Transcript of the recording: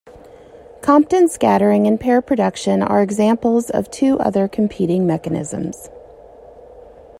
Compton scattering and pair production are examples of two other competing mechanisms.